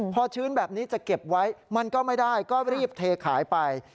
พอชื้นแบบนี้จะเก็บไว้มันก็ไม่ได้ก็รีบเทขายไป